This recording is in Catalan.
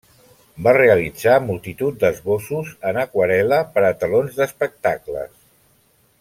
Va realitzar multitud d'esbossos en aquarel·la per a telons d'espectacles.